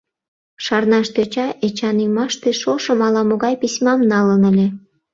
Шарнаш тӧча, Эчан ӱмаште шошым ала-могай письмам налын ыле.